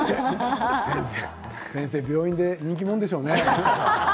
先生病院で人気者でしょうね。